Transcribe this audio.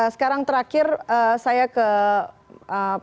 sekarang terakhir saya ke pak